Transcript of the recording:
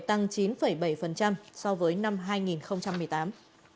tăng chín bảy so với năm hai nghìn một mươi tám